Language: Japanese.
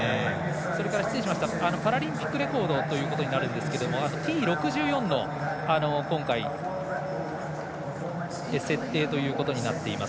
それからパラリンピックレコードになるんですがＴ６４の今回設定となっています。